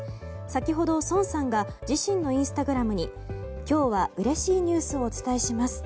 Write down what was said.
先ほどソンさんが自身のインスタグラムに今日はうれしいニュースをお伝えします。